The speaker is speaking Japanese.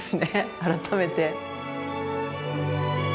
改めて。